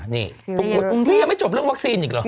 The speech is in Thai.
นี่ยังไม่จบเรื่องวัคซีนอีกหรอ